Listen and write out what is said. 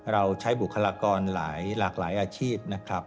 เราใช้บุคลากรหลากหลายอาชีพ